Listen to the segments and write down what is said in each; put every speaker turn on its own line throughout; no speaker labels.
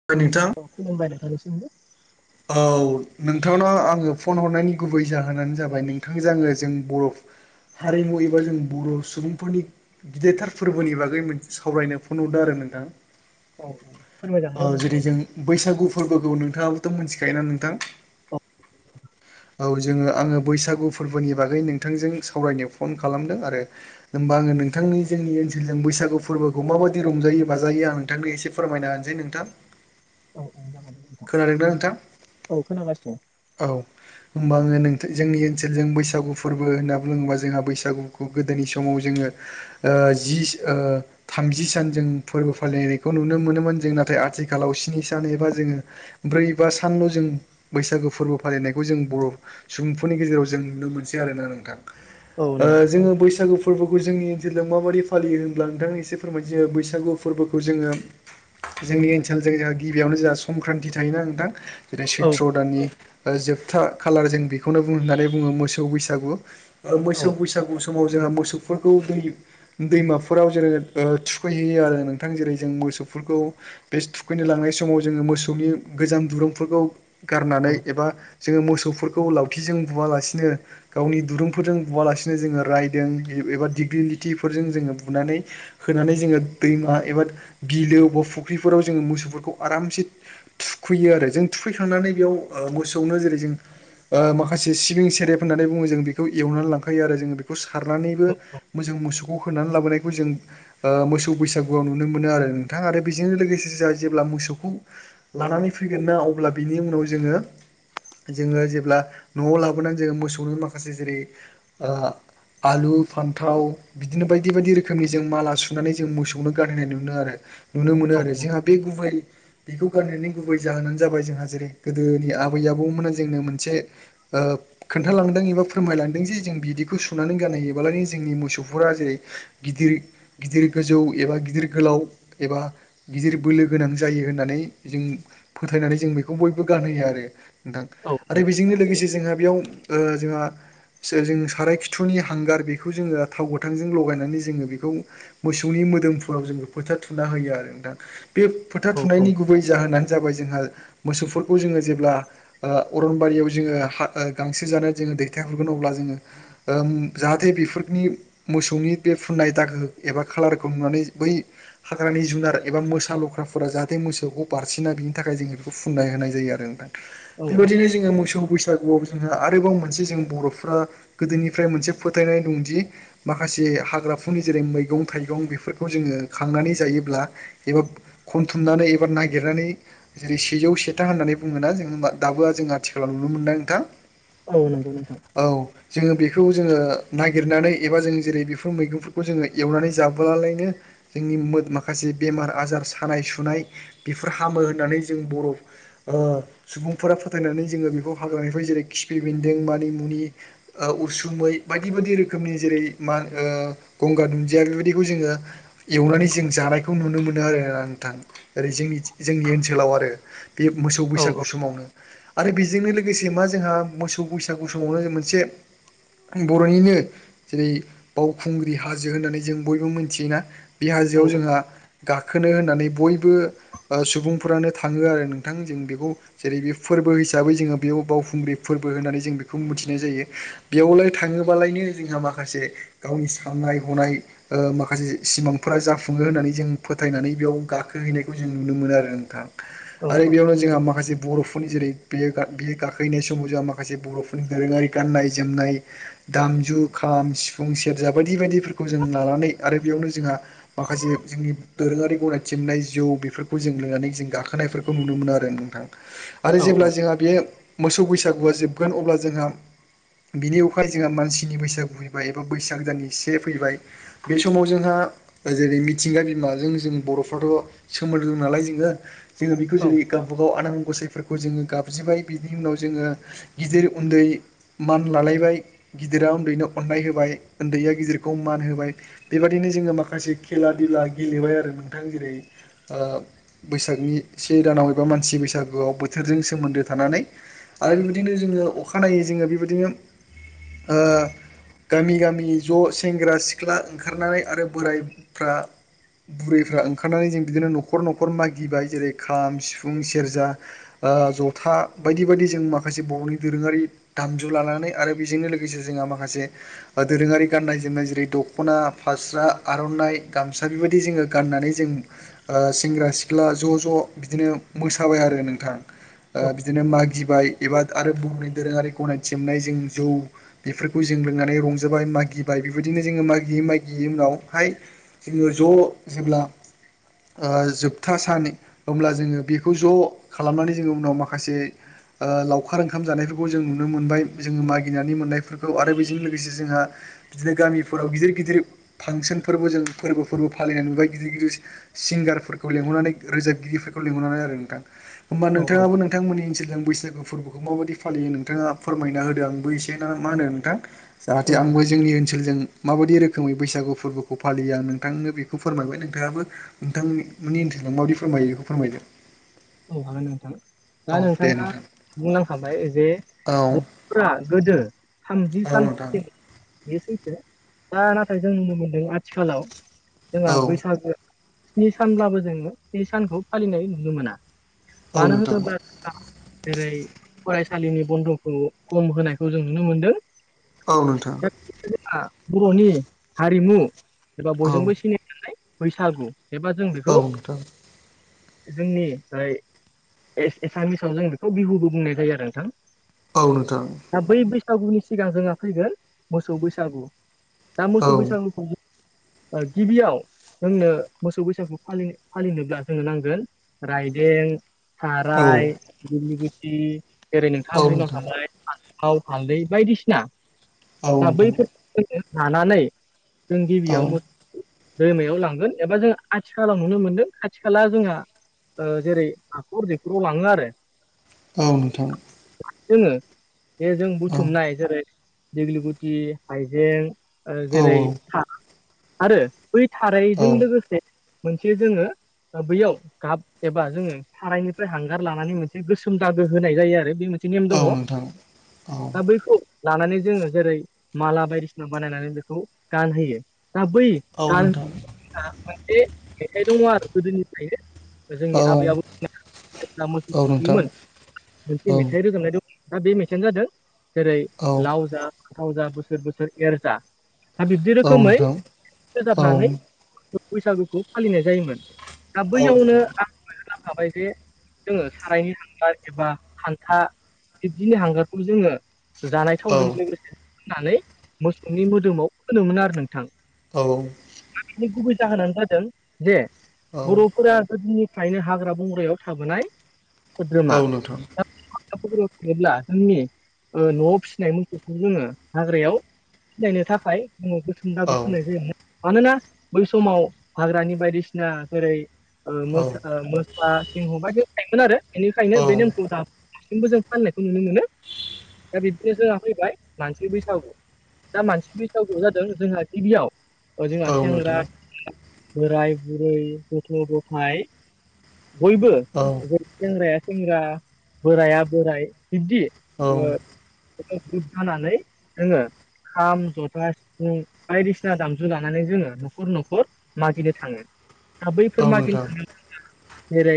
[unintelligible]
खुलुमबाय नोंथांनिसिमबो
औ नोंथांनाव आङो फन हरनायनि गुबै जाहोनानो जाबाय नोंथांजों आङो जों बर' हारिमु एबा जों बर' सुबुंफोरनि गिदिरथार फोरबोनि बागै मोनसे सावरायनो फन हरदो आरो नोंथां।
औ फोरमायजागोन दे
औ
नोंथां
जेरै जों बैसागु फोरबोखौ नोंथाङाबोथ' मोनथिखायो ना नोंथां?
[inaudible]
औ जोङो आङो बैसागु फोरबोनि बागै नोंथांजों सावरायनो फन खालामदों आरो होमबा आङो नोंथांनि जोंनि ओनसोलजों बैसागु फोरबोखौ माबायदि रंजायो बाजायो आं नोंथांनो एसे फोरमायना होनसै नोंथां
औ जागोन दे नोंथां
खोनादों ना?
औ खोनागासिनो।
औ होमबा आङो नोंथो जोंनि ओनसोलजों बैसागु फोरबो होनना बुङोबा जोंहा बैसागुखौ गोदोनि समाव जोङो ओ जिस ओ थामजि सान जों फोरबो फालिनायखौ नुनो मोनोमोन जों नाथाय आथिखालाव स्नि सान एबा जोङो ब्रै बा सानल' जों बैसागो फोरबो फालिनायखौ जों बर' सुबुंफोरनि गेजेराव जों नुनो मोनसै आरोना नोंथां
औ
ओ
नंगौ
जोङो बैसागुफ फोरबोखौ जोंनि ओनसोलजों माबादि फालियो होनब्ला नोंथांआ एसे फोरमायथियो बैसागु फोरबोखौ जोङो जोंनि ओनसोलजों जोंहा गिबियावनो जोंहा संक्रान्ति थायोना नोंथां? जेरै
औ
सैथ्र' दाननि ओ जोबथा खालार जों बेखौनो बुं होननानै बुङो मोसौ बैसागु ओ
औ
मोसौ बैसागु समाव जोंहा मोसौफोरखौ दै दैमाफोराव जेरै ओ थुखैहैयो आरो नोंथां जेरै जों मोसौफोरखौ बे थुखैनो लांनाय समाव जोङो मोसौनि गोजाम दुरुंफोरखौ
औ
गारनानै एबा जोङो मोसौफोरखौ लावथिजों बुवालासिनो गावनि दुरुंफोरजों बुवालासिनो जोङो रायदों एबा दिग्लिलिटिफोरजों जोङो बुनानै होनानै जोङो दैमा एबा बिलो ब फुख्रिफोराव जोङो मोसौफोरखौ आरामसे थुखैयो आरो जों थुखैखांनानै बेयाव ओ मोसौनो जेरै जों ओ माखासे सिबिं सेरेप होननानै बुङो जों बेखौ एवनानै लांखायो आरो जोङो। बेखौ सारनानैबो मोजां मोसौखौ होनानै लाबोनायखौ जों ओ मोसौ बैसागुआव नुनो मोनो आरो नोंथां आरो बेजों लोगोसे जों जेब्ला मोसौखौ लानानै फैगोनना अब्ला बिनि उनाव जोङो जोङो जेब्ला न'आव लाबोनानै जोङो मोसौनि माखासे जेरै आलु फान्थाव बिदिनो बायदि बायदि रोखोमनि जों माला सुनानै जों मोसौनो गानहैनाय नुदों आरो। नुनो मोनो
औ
आरो। जोंहा बे गुबै बेखौ गाननानै गुबै जाहोनानो जाबाय जोंहा जेरै गोदोनि आबै आबौमोन जोंनो मोनसे खोन्थालांदों एबा फोरमायलांदों जे जों बिदिखौ सुनानै गानहोयोबोलायनो जोंनि मोसौफोरा जेरै गिदिर गिदिर गोजौ एबा गिदिर गोलाव एबा गिदिर बोलो गोनां जायो होननानै जों फोथायनानै जों बेखौ बयबो गानहोयो आरो नोंथां
औ
आरो बेजोंनो लोगोसे जोंहा बेयाव ओ जोंहा सोर जों साराय खिथुनि हांगार बेखौ जोङो थाव गोथांजों लगायनानै जोङो बेखौ मोसौनि मोदोमफोराव जों फोथा थुना होयो आरो नोंथां। बे फोथा थुनायनि गुबै जाहोनानो जाबाय जोंहा मोसौफोरखौ जोङो जेब्ला आ अरनबारियाव जोङो हा ओ गांसो जानो जोङो दैथाय हरगोन अब्ला जोङो ओम जाहाथे बेफोरनि मोसौनि बे फुननाय दागो एबा खालारखौ नुनानै बै हाग्रानि जुनार एबा मोसा लख्राफोरा जाहाथे मोसौखौ बारसिना बे थाखाय जों बेखौ फुनना होनाय जायो आरो नोंथां
औ
बे बायदिनो जोङो मोसौ बैसागुआव जोङो आरोबाव मोनसे जों बर'फ्रा गोदोनिफ्राय मोनसे फोथायनाय दंदि माखासे हाग्राफोरनि जेरै मैगं थाइगं बेफोरखौ जोङो खांनानै जायोब्ला एबा खनथुमनानै एबा नागिरनानै जेरै सेजौ सेथा होन्नानै बुङोना जोङो दाबोआ जों आथिखालाव नुनो मोनदों नोंथां।
औ नंगौ नोंथां।
औ। जोङो बेखौ जोङो नागिरनानै एबा जों जेरै बेफोर मैगंफोरखौ जोङो एवनानै जाब्लालायनो जोंनि मोद-माखासे बेमार आजार सानाय सुनाय बेफोर हामो होननानै जों बर' ओ सुबुंफोरा फोथायनानै जोङो बेखौ हाग्रानिफ्राय जेरै खिफि बेन्दों मानिमुनि ओ उसुमै बायदि बायदि रोखोमनि जेरै मा ओ गंगार दुन्दिया बेबायदिखौ जोङो एवनानै जों जानायखौ नुनो मोनो आरोना नोंथां। ओरै जोंनि ओनसोल सोलाव आरो बे मोसौ
औ
बैसागु समाव आरो बेजोंनो लोगोसे मा जोंहा मोसौ बैसागु समावनो जों मोनसे बर'निनो जेरै बावखुंग्रि हाजो होननानै जों बयबो मिथियोना बे
औ
हाजोआव जोंहा गाखोनो होननानै बयबो ओ सुबुंफ्रानो थाङो आरो नोंथां जों बेखौ जेरै बे फोरबो हिसाबै जोङो बेयाव बावखुंग्रि फोरबो होननानै जों बेखौ मिथिनाय जायो। बेयावलाय थाङोबालायनो जोंहा माखासे गावनि साननाय हनाय ओ माखासे सिमांफोरा जाफुङो होननानै जों फोथायनानै बेयाव गाखोहैनायखौ जों नुनो मोनो आरो। नोंथां
औ
आरो बेयावनो जो जोंहा माखासे बर'फोरनि जेरै बे बेयो गाखोनाय समाव जोंहा माखासे बर'फोरनि दोरोङारि गाननाय जोमनाय दामजु खाम, सिफुं, सेरजा बायदि बायदिफोरखौ जों लानानै आरो बेयावनो जोंहा माखासे जोंनि दोरोङारि गनायथिंनाय जिउ बेफोरखौ जों लोंनानै जों गाखोनायफोरखौ नुनो मोनो आरो नोंथां आरो
औ
जेब्ला जोंहा बे मोसौ बैसागुआ जोबगोन अब्ला जोंहा बिनि उखाय जोंहा मानसिनि बैसागु फैबाय एबा बैसाग जान एसे फैबाय। बे समाव जोंहा जेरै मिथिंगा बिमाजों जों बर'फ्राथ' सोमोन्दो दङ नालाय जोङो जोङो बेखौ
औ
जेरै गावबा गाव आनान गसायफोरखौ जोङो गाबज्रिबाय बिनि उनाव जोङो गिदिर उन्दै मान लालायबाय गिदिरा उन्दैनो अननाय होबाय उन्दैया गिदिरखौ मान होबाय बेबायदिनो जोङो माखासे खेला दुला गेलेबाय आरो नोंथां जेरै ओ बैसागनि से दानाव एबा मानसि बैसागोआव बोथोरजों सोमोन्दो थानानै आरो बेबायदिनो जोङो अखानायै जोङो बेबायदिनो ओ गामि गामि ज' सेंग्रा सिख्ला ओंखारनानै आरो बोरायफ्रा बुरैफ्रा ओंखारनानै जों बिदिनो नखर नखर मागिबाय जेरै खाम, सिफुं, सेर्जा ओ जथा बायदि बायदि जों माखासे बर'नि दोरोङारि दामजु लानानै आरो बेजोंनो लोगोसे जोंहा माखासे दोरोङारि गाननाय जोमनाय जेरै दखना फास्रा आर'नाइ गामसा बेबायदि जोङो गानानै जों ओ सेंग्रा सिख्ला ज' ज' बिदिनो मोसाबाय आरो नोंथां ओ
हागोन
बिदिनो मागिबाय एबा आरो बुहुमनि दोरोङारि गनायथि मोननायजों जौ बेफोरखौ जों लोंनानै रंजाबाय मागिबाय बेबायदिनो जोङो मागियै मागियै उनावहाय जोङो ज' जेब्ला ओ जोब था सान अब्ला जोङो बेखौ ज' खालामनानै जोङो उनाव माखासे ओ लावखार ओंखाम जानायफोरखौ जों नुनो मोनबाय जोङो मागिनानै मोननायफोरखौ आरो बेजों लोगोसे जोंहा बिदिनो गामिफोराव गिदिर गिदिर फांसनफोरबो जों फोरबोफोरबो फालिनानै नुबाय गिदिर गिदिर सिंगारफोर लेंहरनानै रोजाबगिरिफोरखौ लिहरनानै आरो नोंथां ओमबा
नोंथां
नोंथाङाबो नों थांमोननि ओनसोलजों बैसागु फोरबोखौ माबायदि फालियो नोंथाङा फोरमायना होदों आंबो एसे ना मा होनो नोंथां जाहाथे आंबो जोंनि ओनसोलजों माबायदि रोखोमै बैसागु फोरबोखौ फालियो आं नोंथांनो बेखौ फोरमायबाय नोंथाङाबो नोंथांमोन नि ओनसोलाव माबायदि फोरमायो बेखौ फोरमायदों
औ हागोन नोंथां दा
दे
नोंथाङा
नोंथां
बुंलांखाबाय जे
औ
बर'फोरा गोदो थामजि
औ नोंथां
सानसिम बे सैथो दा नाथाय जों नुनो मोनदों आथिखालाव
औ
जोंहा बैसागो स्नि सानब्लाबो जोङो स्नि सानखौ फालिनाय नुनो मोना
औ
मानो
नोंथां
होनोब्ला जेरै फरायसालिनि बन्द'खौ खम होनायखौ जों नुनो मोनदों।
औ नोंथां
दा बिदि होनना [unintelligible] बर'नि हारिमु एबा
औ
बयजोंबो सिनायनानै बैसागु एबा जों
औ
बेखौ
नोंथां
जोंनिहाय एस एसामिसाव जों बेखौ बिहुबो बुंनाय जायो आरो नोंथां।
औ नोंथां
दा बै बैसागुनि सिगां जोंहा फैगोन मोसौ बैसागु दा
औ
मोसौ बैसागुखौ गिबियाव जोंनो मोसौ बैसागु फालि फालिनोब्ला जोंनो नांगोन राइदें
औ नोंथां औ
थाराइ दिग्लि गुति जेरै नोंथाङा
नोंथां
बुंलांखाबाय थाव हालदै बायदिसिना दा
औ
बैफोरखौ जों लानानै जों गिबियावनो दैमायाव लांगोन एबा जों आथिखालाव नुनो मोनदों आथि खाला जोंहा ओ जेरै हाखर दैखराव लाङो आरो।
औ नोंथां
जोङो जे जों
औ
बुथुमनाय जेरै दिग्लि गुति हाइजें ओ
औ
जेरै था आरो बै थारैजों लोगोसे मोनसे जोङो बैयाव गाब एबा जोङो सारायनिफ्राय हांगार लानानै मोनसे गोसोम दागो होनाय जायो आरो बे मोन से नेम
औ
दङ
नोंथां औ
दा बैखौ लानानै जोङो जेरै माला बायदिसिना बानायनानै बेखौ गानहोयो दा बै
औ
गान
नोंथां।
मोनसे मेथाइ दङ आरो गोदोनिफ्रायनो
औ
जोंनि आबै आबौ [unintelligible]
औ
मोनसे
नोंथां औ
मेथाइ रोजाबनाय दं, दा बे मेथाइयानो जादों जेरै
औ
लाव जा थाव जा बोसोर बोसोर एरजा दा बिब्दि
औ
रोखोमै
नोंथां औ
रोजाबनानै बैसागुखौ फालिनाय जायोमोन दा
औ
बैयावनो
नोंथां
हाबाय जे जोङो सारायनि हांगार एबा हान्था बिबदिनो हांगारखौ जोङो जानाय थावजों
औ
लोगोसे फनानै मोसौनि मोदोमाव फोमोन आरो नोंथां।
औ।
गुबै जाहोनानो जादों जे
औ
बर'फोरा गोदोनिफ्रायनो हाग्रा बंग्रायाव थाबोनाय सोद्रोमा
औ नोंथां
[unintelligible] जोंनि न'आव फिसिनाय मोसौखौ जोङो हाग्रायाव सिनायनो थाखाय बुङो गोथौ खुन्थाखो
औ
खोनाय जायोमोन मानोना बै समाव हाग्रानि बायदिसिना जेरै ओ
औ
मोसा सिंह बायदि थायोमोन आरो बेनिखायनो
औ
बे नेमखौ दा दासिमबो जों फाननायखौ नुनो मोनो दा बिदिनो जोहा फैबाय मानसि बैसागु दा मानसि बैसागुआव जादों जोंहा गिबियाव ओजोंहा
औ
सेंग्रा
नोंथां
बोराय बुरै गथ' गथाय बयबो
औ।
सेंग्राया सेंग्रा बोराया बोराइ बिबदि
औ औ नोंथां औ नोंथां औ
[unintelligible] जानानै जोङो खाम जथा सिफुं बायदिसिना दामजु लानानै जोङो न'खर न'खर मागिनो थाङो दा
औ
बैफोर मागिनो
नोंथां
थाङोब्ला जेरै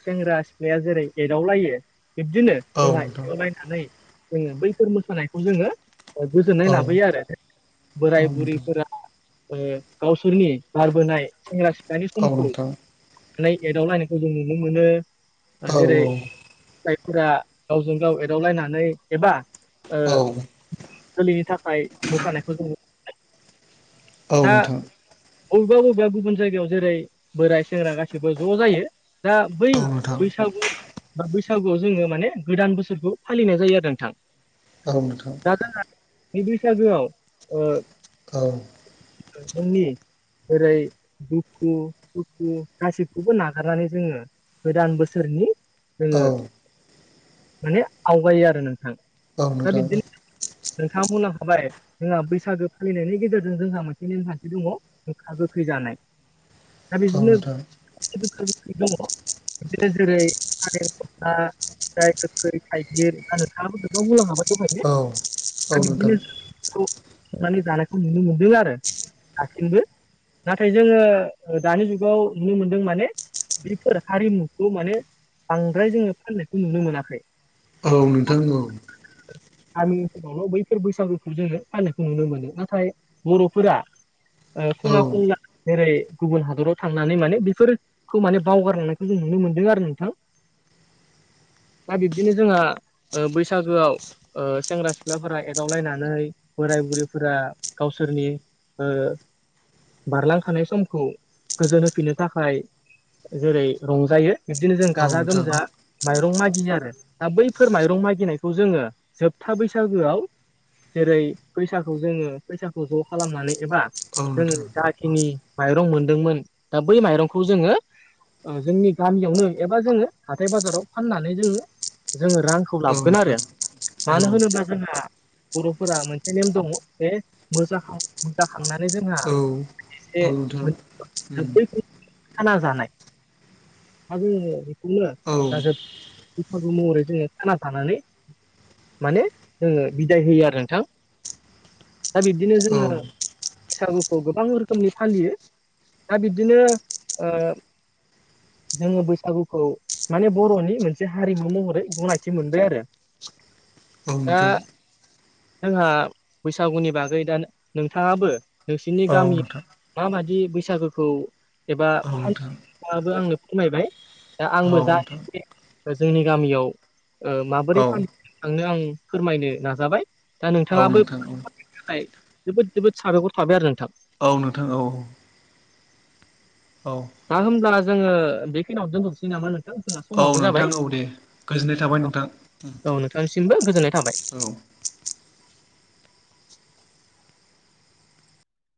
सेंग्रा सिख्लाया जेरै एदावलायो बिब्दिनो
औ
जोंहा
नोंथां औ
एदावलायनाय नानै जोङो बैफोर मोसानायखौ जोङो गोजोननाय लाबोयो आरो बोराय बुरैफोरा ओ गावसोरनि गारबोनाय सेंग्रा सिख्लानि समखौ नानै एदावलायनायखौ जों नुनो मोनो जेरै फोर गावजों गाव एदावलायनानै एबा ओ
औ
जोलैनि थाखाय मोसानायखौ जों
औ नोंथां औ नोंथां औ नोंथां औ नोंथां औ नोंथां औ
दा
नोंथां
बबेबा बबेबा गुबुन जायगायाव जेरै बोराय सेंग्रा गासिबो ज' जायो- दा बै
औ
बैसागु बा बैसागुआव जोङो माने गोदान बोसोरखौ फालिनाय जायो आरो नोंथां।
औ नोंथां।
दा जोहा नै बैसागोआव ओ
औ।
जोंनि जेरै' दुखु, सुखु गासैखौबो नागारनानै जोङो गोदान बोसोरनि जोङो माने आवगायो आरो नोंथां दा बिदिनो नोंथाङा बुलां खाबाय जोंहा बैसागो फालिनायनि गेजेरजों जोंहा मोनसे नेमखान्थि दङ गोखा गोखै जानाय।
[inaudible]
दा बिदिनो गोखो गोखै दङ बिदिनो जेरै, थालें खसला, फिथाइ गोखै, थाइगिर बा नोंथां [unintelligible] दा बिदिनो [unintelligible] मानि जानायखौ नुनो मोनदों आरो। दासिमबो नाथाय जोङो ओ दानि जुगाव नुनो मोनदों माने बेफोर हारिमुखौ माने बांद्राय जोङो फाननायखौ नुनो मोनाखै।
औ नोंथां औ।
गामि ओनसोलफ्रावल' बैफोर बैसागुखौ जोङो फालिनायखौ नुनो मोनो नाथाय बर'फोरा ओ खना खनला जेरै गुबुन हादराव थां नानै माने बेफोरखौ माने बावगारलांनायखौ जों नुनो मोनदों आरो नोंथां। बा बिब्दिनो जोंहा ओ बैसागोआव ओ सेंग्रा सिख्लाफोरा एदावलायनानै बोराय बुरैफोरा गावसोरनि ओ बारलांखानाय समखौ गोजोन होफिननो थाखाय जेरै रंजायो बिब्दिनो जों
औ
गाजा
नोंथां
गोमजा माइरं मागियो आरो दा बैफोर माइरं मागिनायखौ जोङो जोबथा बैसागोआव जेरै फैसाखौ जोङो फैसाखौ ज' खालामनानै एबा
औ
जोङो
नोंथां
जाखिनि माइरं मोनदोंमोन दा बै माइरंखौ जोङो ओ जोंनि गामियावनो एबा जोङो हाथाय बाजाराव फाननानै जोङो जोङो रांखौ
औ
लाब गोन
नोंथां
आरो
औ
मानो
औ
होनोब्ला जोंहा बर'फोरा मोनसे नेम दङ जे मोजाखां-मोसाखांनानै जोंहा
औ अ। नोंथां
दा
उम
बै [unintelligible] खाना जानाय [unintelligible] बेखौनो
औ
दा जोब बैसागु महरै जोङो खाना जानानै माने जोङो बिदाय होयो आरो नोंथां। दा बिब्दिनो जोङो
औ
बैसागुखौ गोबां रोखोमनि फालियो। दा बिब्दिनो ओ जोङो बैसागुखौ माने बर'नि मोनसे हारिमु महरै गनायथि मोनबाय आरो।
[inaudible]
दा
नोंथां
जोंहा बैसागुनि बागै दा नों नोंथाङाबो नोंसिनि
औ
गामि
नोंथां
माबादि बैसागोखौ एबा
औ नोंथां
फालियो नोंथाङाबो आंनो फोरमायबाय। दा
औ
आंबो जा
नोंथां
एसे जोंनि गामियाव ओ माबोरै
औ
फालि [inaudible] नोंथांनो आं फोरमायनो नाजाबाय। दा
औ
नोंथाङाबो
नोंथां
[unintelligible] थाखाय जोबोद जोबोद साबायखर थाबाय आरो नोंथां।
औ नोंथां औ।
दा होमब्ला जोङो बेखिनियाव दोनथ'सै नामा नों थां जोंना
औ
समाबो
नोंथां
जाबाय।
औ दे गोजोननाय थाबाय नोंथां
औ नोंथांनिसिमबो गोजोननाय थाबाय।
औ।